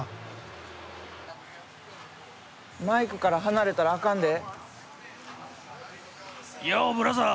マイクから離れたらあかんで。